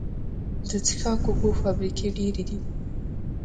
د څښاک اوبو فابریکې ډیرې دي